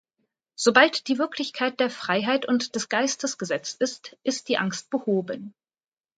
Sobald die Wirklichkeit der Freiheit und des Geistes gesetzt ist, ist die Angst behoben.